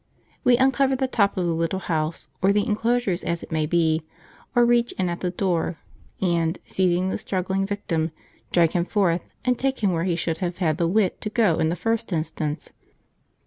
We uncover the top of the little house, or the enclosure as it may be, or reach in at the door, and, seizing the struggling victim, drag him forth and take him where he should have had the wit to go in the first instance.